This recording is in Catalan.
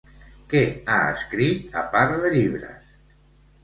Què ha escrit, a part de llibres?